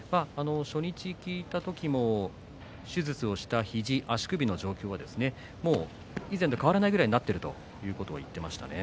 初日、聞いた時も手術をした肘、足首の状況はもう以前と変わらないくらいになっているということを言っていました。